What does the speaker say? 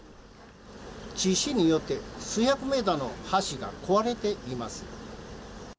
地震によって数百メートルの橋が壊れています。